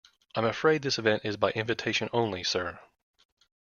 I'm afraid this event is by invitation only, sir.